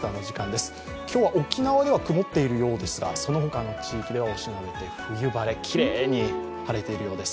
今日は沖縄では曇っているようですが、そのほかの地域ではおしなべて冬晴れ、きれいに晴れているようです。